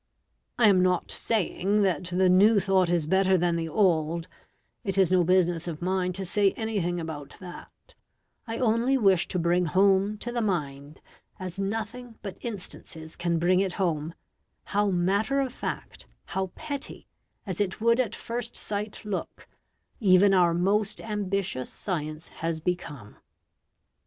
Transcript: I am not saying that the new thought is better than the old; it is no business of mine to say anything about that; I only wish to bring home to the mind, as nothing but instances can bring it home, how matter of fact, how petty, as it would at first sight look, even our most ambitious science has become.